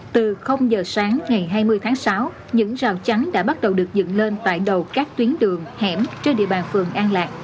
từ giờ sáng ngày hai mươi tháng sáu những rào chắn đã bắt đầu được dựng lên tại đầu các tuyến đường hẻm trên địa bàn phường an lạc